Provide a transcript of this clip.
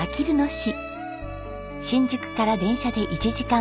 新宿から電車で１時間ほど。